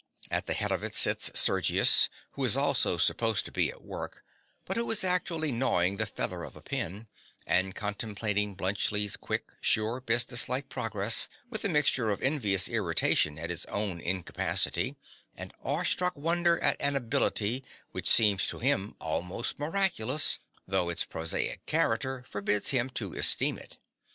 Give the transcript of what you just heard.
At the head of it sits Sergius, who is also supposed to be at work, but who is actually gnawing the feather of a pen, and contemplating Bluntschli's quick, sure, businesslike progress with a mixture of envious irritation at his own incapacity, and awestruck wonder at an ability which seems to him almost miraculous, though its prosaic character forbids him to esteem it.